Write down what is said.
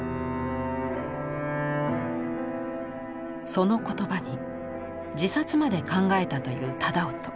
その言葉に自殺まで考えたという楠音。